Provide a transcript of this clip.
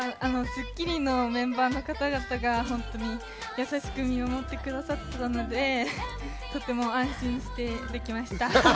『スッキリ』のメンバーの方々が優しく見守ってくださっていたのでとても安心してできました。